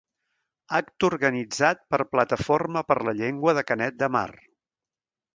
Acte organitzat per Plataforma per la Llengua de Canet de Mar.